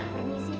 terima kasih pak